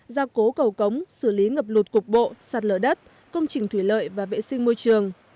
gia cố cầu cống xử lý ngập lụt cục bộ sạt lở đất công trình thủy lợi và vệ sinh môi trường